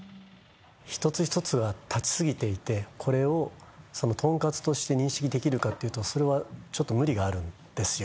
一つ一つが立ちすぎていてこれをとんかつとして認識できるかっていうとそれはちょっと無理があるんですよ